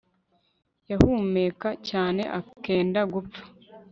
yahumeka cyane akenda gupfa